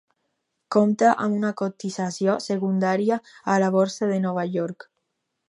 Compta amb una cotització secundària a la Borsa de Nova York.